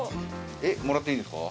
もらっていいんですか？